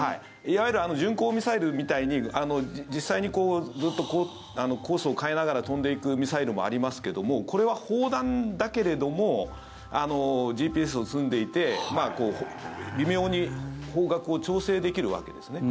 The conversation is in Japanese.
いわゆる巡航ミサイルみたいに実際にコースを変えながら飛んでいくミサイルもありますけどもこれは砲弾だけれどもＧＰＳを積んでいて微妙に方角を調整できるわけですね。